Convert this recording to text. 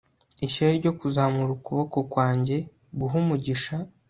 Ishyari ryo kuzamura ukuboko kwanjye guha umugisha